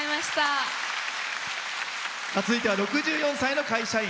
続いては６４歳の会社員。